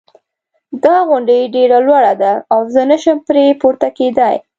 دا غونډی ډېره لوړه ده او زه نه شم پری پورته کېدای